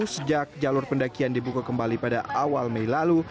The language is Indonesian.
sejak jalur pendakian dibuka kembali pada awal mei lalu